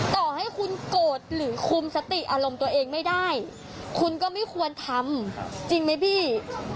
ต่อให้คุณโกรธหรือคุมสติอารมณ์ตัวเองไม่ได้คุณก็ไม่ควรทำจริงไหมพี่